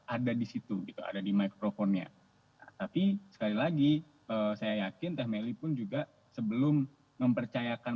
ada di situ gitu ada di microphone nya tapi sekali lagi saya yakin teh meli pun juga sebelum mempercayakan